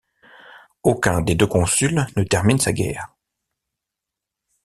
Aucun des deux consuls ne termine sa guerre.